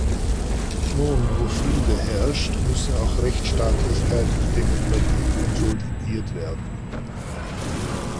Nun, wo Friede herrscht, müssen auch Rechtsstaatlichkeit und Demokratie konsolidiert werden.